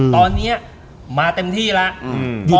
ตอนนี้มาเต็มที่แล้ว